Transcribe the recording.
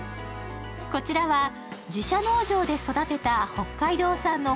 こちらは自社農場で育てた北海道産の